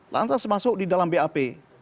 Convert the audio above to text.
lantas masuk di dalam bap